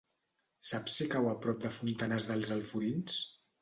Saps si cau a prop de Fontanars dels Alforins?